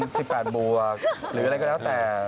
สิบแปดบวกหรืออะไรก็แล้วแต่